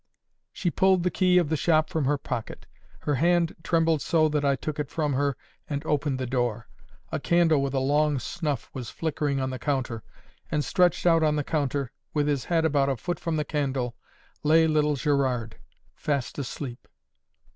She pulled the key of the shop from her pocket. Her hand trembled so that I took it from her, and opened the door. A candle with a long snuff was flickering on the counter; and stretched out on the counter, with his head about a foot from the candle, lay little Gerard, fast asleep.